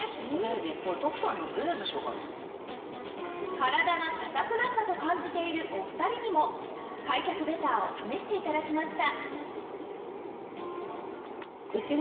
体が硬くなったと感じているお二人にも開脚ベターを試して頂きました